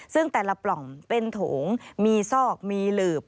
ซึ่งแต่ละปล่องเป็นโถงมีซอกมีหลืบ